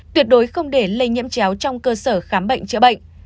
tuyệt đối không để lây nhiễm chéo trong cơ sở khám bệnh chữa bệnh